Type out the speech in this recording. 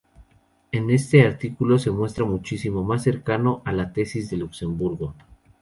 En este artículo se muestra muchísimo más cercano a las tesis de Luxemburgo.